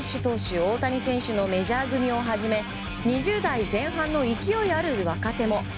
大谷選手のメジャー組をはじめ２０代前半の勢いのある若手も。